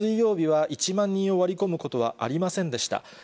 しかし、きのう水曜日は、１万人を割り込むことはありませんでした。